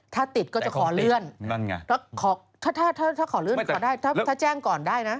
ถ้าติดก็จะขอเลื่อนนั่นไงถ้าถ้าขอเลื่อนขอได้ถ้าแจ้งก่อนได้นะ